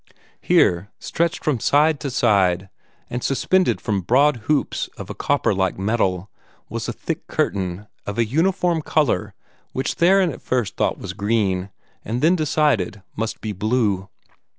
Here, stretched from side to side, and suspended from broad hoops of a copper like metal, was a thick curtain, of a uniform color which Theron at first thought was green, and then decided must be blue.